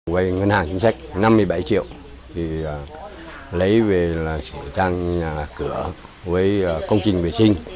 với ngân hàng chính sách năm mươi bảy triệu lấy về là trang nhà cửa với công trình vệ sinh